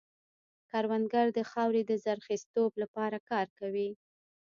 کروندګر د خاورې د زرخېزتوب لپاره کار کوي